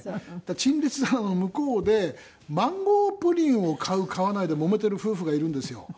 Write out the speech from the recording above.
陳列棚の向こうでマンゴープリンを買う買わないでもめてる夫婦がいるんですよ。